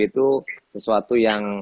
itu sesuatu yang